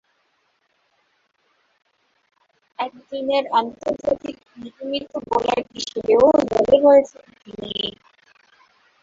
একদিনের আন্তর্জাতিকে নিয়মিত বোলার হিসেবেও দলে রয়েছেন তিনি।